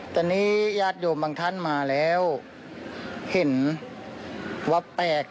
ตอนนี้ญาติโยมบางท่านมาแล้วเห็นว่าแปลก